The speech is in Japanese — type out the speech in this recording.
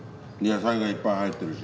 野菜がいっぱい入ってるし。